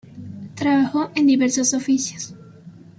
Trabajó en diversos oficios.